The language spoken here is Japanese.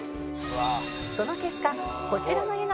その結果こちらの絵が完成